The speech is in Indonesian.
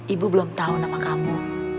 ibu belum tahu nama kamu